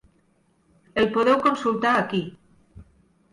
El podeu consultar aquí: